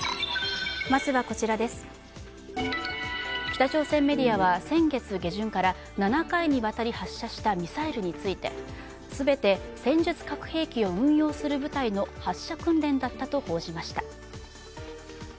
北朝鮮メディアは、先月下旬から７回にわたり発射したミサイルについて全て戦術核兵器を運用する部隊の発射訓練だったと報じました。